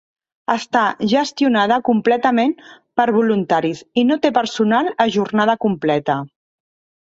Està gestionada completament per voluntaris i no té personal a jornada completa.